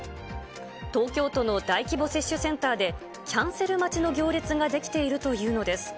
東京都の大規模接種センターで、キャンセル待ちの行列が出来ているというのです。